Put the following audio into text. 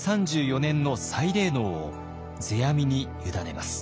３４年の祭礼能を世阿弥に委ねます。